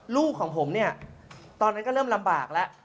ลูกของผมเนี่ยตอนนั้นก็เริ่มลำบากแล้ว